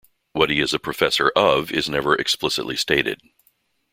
What he is a professor "of" is never explicitly stated.